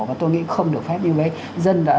và tôi nghĩ không được phép như mấy dân đã